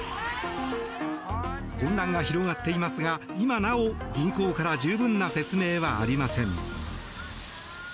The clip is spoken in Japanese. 混乱が広がっていますが今なお銀行から十分な説明はありません。